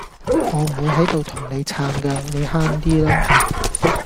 我唔會喺度同你撐㗎，你慳啲啦